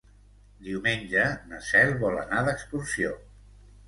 Diumenge na Cel vol anar d'excursió.